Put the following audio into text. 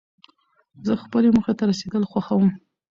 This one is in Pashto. زه خپلې موخي ته رسېدل خوښوم.